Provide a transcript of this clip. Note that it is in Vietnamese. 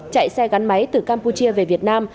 chạy xe gắn máy từ campuchia về việt nam